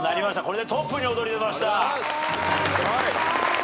これでトップに躍り出ました。